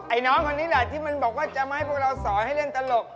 น้องคนนี้แหละที่มันบอกว่าจะมาให้พวกเราสอนให้เล่นตลก